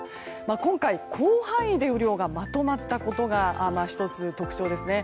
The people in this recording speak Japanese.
今回、広範囲で雨量がまとまったことが１つ特徴ですね。